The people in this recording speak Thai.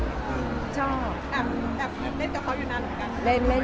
ชอบเบ่งเฉยเลยเล่นเหมือนกับเขาอยู่นานกัน